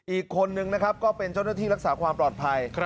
อีกคนนึงนะครับก็เป็นเจ้าหน้าที่รักษาความปลอดภัย